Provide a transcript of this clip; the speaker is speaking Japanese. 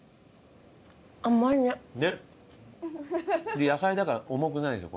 で野菜だから重くないんですよ